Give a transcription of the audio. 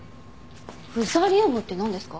フザリウムってなんですか？